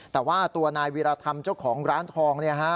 แต่ว่าตัวนายวิรธรรมเจ้าของร้านทอง